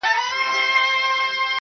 انسان وجدان سره ژوند کوي تل,